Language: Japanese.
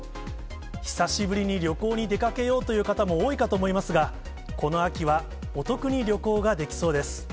久しぶりに旅行に出かけようという方も多いかと思いますが、この秋はお得に旅行ができそうです。